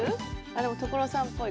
でも所さんっぽい